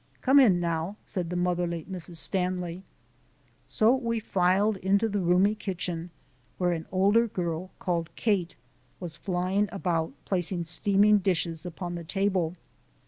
"Come in now," said the motherly Mrs. Stanley. So we filed into the roomy kitchen, where an older girl, called Kate, was flying about placing steaming dishes upon the table.